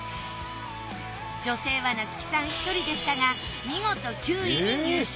女性は夏樹さん１人でしたが見事９位に入賞。